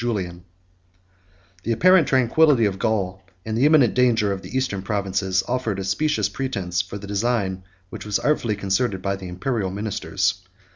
] The apparent tranquillity of Gaul, and the imminent danger of the eastern provinces, offered a specious pretence for the design which was artfully concerted by the Imperial ministers.